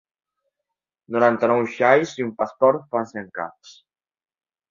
Noranta-nou xais i un pastor fan cent caps.